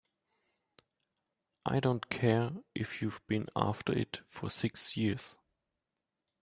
I don't care if you've been after it for six years!